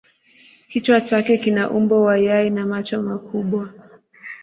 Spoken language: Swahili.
Kichwa chake kina umbo wa yai na macho makubwa.